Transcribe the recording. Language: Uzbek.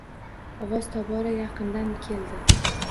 Ovoz tobora yaqindan keldi.